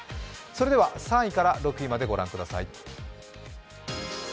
それでは、３位から６位までご覧ください。